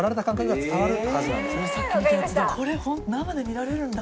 これ生で見られるんだ。